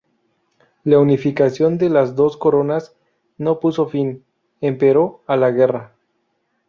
La unificación de las dos coronas no puso fin, empero, a la guerra.